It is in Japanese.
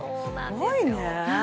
すごいね。